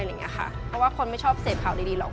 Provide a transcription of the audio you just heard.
เพราะว่าคนไม่ชอบเสพข่าวดีหรอก